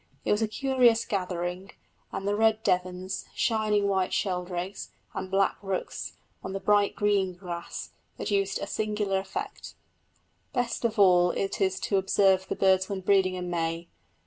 It was a curious gathering, and the red Devons, shining white sheldrakes, and black rooks on the bright green grass, produced a singular effect. Best of all it is to observe the birds when breeding in May.